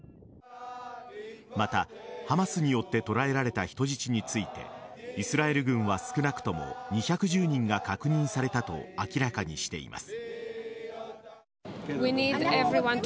またハマスによって捕らえられた人質についてイスラエル軍は、少なくとも２１０人が確認されたと明らかにしています。